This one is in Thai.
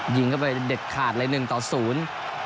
ยิงเข้าไปเด็ดขาดเลยหนึ่งต่อศูนย์